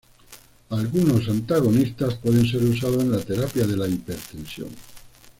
Algunos antagonistas pueden ser usados en la terapia de la hipertensión.